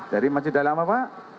jadi masih dalam apa pak